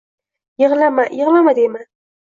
Yig‘lama, yig‘lama deyman